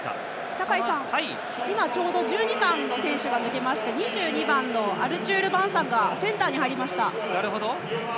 酒井さん、今ちょうど１２番の選手が抜けまして２２番アルチュール・バンサンがセンターに入りました。